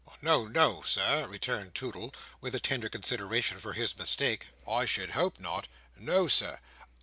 "No, no, Sir," returned Toodle, with a tender consideration for his mistake. "I should hope not! No, Sir.